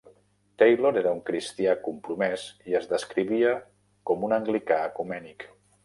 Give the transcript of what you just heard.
Taylor era un cristià compromès i es descrivia com un anglicà ecumènic.